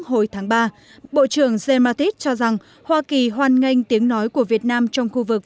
hồi tháng ba bộ trưởng james mattis cho rằng hoa kỳ hoan nghênh tiếng nói của việt nam trong khu vực